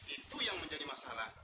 itu yang menjadi masalah